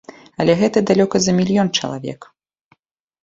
Але гэта далёка за мільён чалавек.